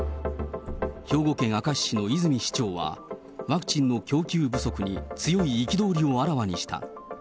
兵庫県明石市の泉市長は、ワクチンの供給不足に強い憤りをあらわにした。